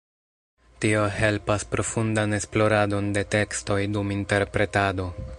Tio helpas profundan esploradon de tekstoj dum interpretado.